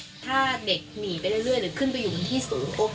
ถ้าเด็กหนีไปเรื่อยหรือขึ้นไปอยู่บนที่สูงปุ๊บ